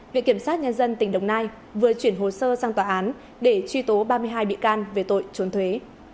viện kiểm sát nhân dân tỉnh đồng nai vừa chuyển hồ sơ sang tòa án để truy tố ba mươi hai bị can về tội trốn thuế